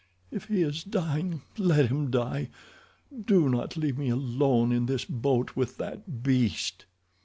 If he is dying, let him die. Do not leave me alone in this boat with that beast."